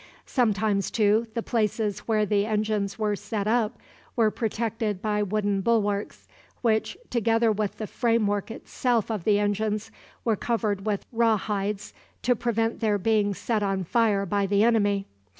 Sometimes, too, the places where the engines were set up were protected by wooden bulwarks, which, together with the frame work itself of the engines, were covered with raw hides, to prevent their being set on fire by the enemy.